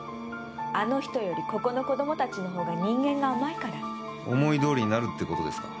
あの人よりここの子どもたちのほうが人間が甘いから思いどおりになるってことですか？